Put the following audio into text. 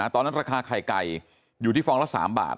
ตอนนั้นราคาไข่ไก่อยู่ที่ฟองละ๓บาท